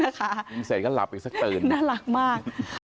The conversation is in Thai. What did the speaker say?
ยังเสร็จก็หลับอีกสักตื่น